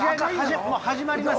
もう始まります。